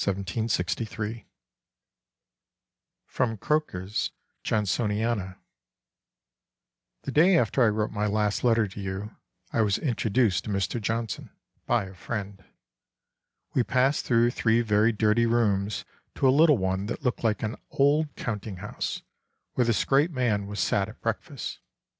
[Sidenote: Croker's Johnsoniana.] "The day after I wrote my last letter to you I was introduced to Mr. Johnson by a friend. We passed through three very dirty rooms to a little one that looked like an old counting house, where this great man was sat at breakfast....